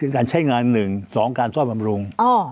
การใช้งานหนึ่งสองการซ่อมประมรุง